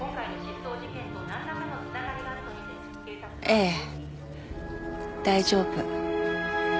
ええ大丈夫。